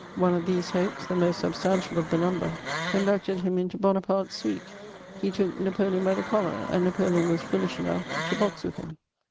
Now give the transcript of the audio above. One of these hopes, the most substantial of the number, conducted him into Bonaparte's suite ; he took Napoleon by the collar, and Napoleon was foolish enough to box with him.